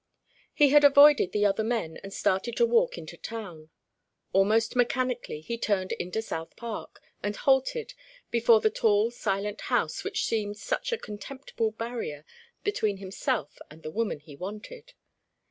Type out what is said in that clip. He had avoided the other men, and started to walk into town. Almost mechanically he turned into South Park, and halted before the tall silent house which seemed such a contemptible barrier between himself and the woman he wanted.